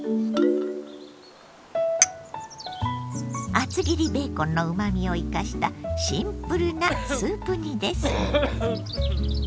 厚切りベーコンのうまみを生かしたシンプルなスープ煮です。